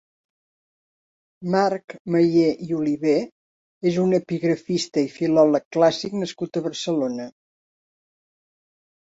Marc Mayer i Olivé és un epigrafista i filòleg clàssic nascut a Barcelona.